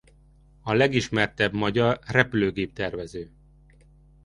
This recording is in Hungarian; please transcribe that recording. A legismertebb magyar repülőgép-tervező.